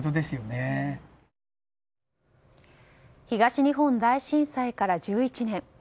東日本大震災から１１年。